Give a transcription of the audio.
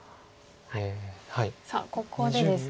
さあここでですね。